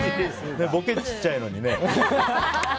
ボケちっちゃいのにね。